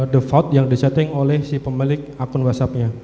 default yang disetting oleh si pemilik akun whatsappnya